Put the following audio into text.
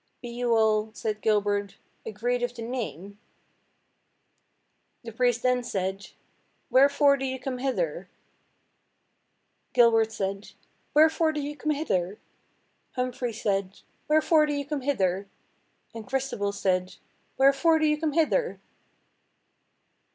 "Be you all," said Gilbert, "agreed of the name?" The priest then said— "Wherefore do you come hither?" Gilbert said, "Wherefore do you come hither?" Humphrey said, "Wherefore do you come hither?" And Christabel said, "Wherefore do you come hither?"